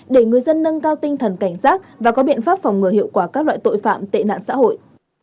để người dân nâng cao tinh thần cảnh giác và có biện pháp phòng ngừa hiệu quả các loại tội phạm tệ nạn xã hội